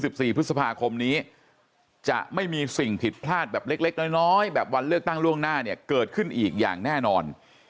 สี่พฤษภาคมนี้จะไม่มีสิ่งผิดพลาดแบบเล็กเล็กน้อยน้อยแบบวันเลือกตั้งล่วงหน้าเนี่ยเกิดขึ้นอีกอย่างแน่นอน